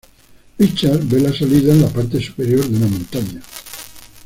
Richard ve la salida en la parte superior de una montaña.